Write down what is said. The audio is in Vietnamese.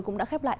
cũng đã khép lại